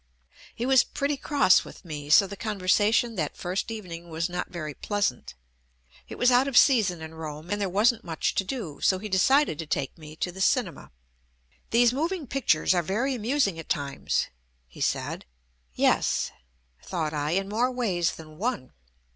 He was pretty cross with me, so the con versation that first evening was not very pleas ant. It was out of season in Rome, and there wasn't much to do, so he decided to take me to the Cinema. "These moving pictures are very amusing at times," he said. "Yes," thought I, "in more ways than one."